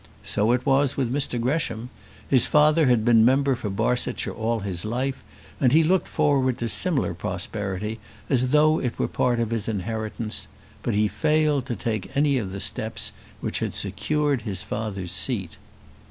So it was with Mr Gresham. His father had been member for Barsetshire all his life, and he looked forward to similar prosperity as though it were part of his inheritance; but he failed to take any of the steps which had secured his father's seat.